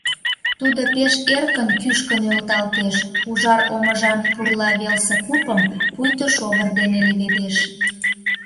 Тудо пеш эркын кӱшкӧ нӧлталтеш, ужар омыжан пурла велсе купым пуйто шовыр дене леведеш.